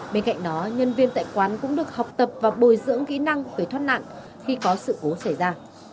bên cạnh đó nhân viên tại quán cũng được học tập và bồi dưỡng kỹ năng về thoát nạn khi có sự cố xảy ra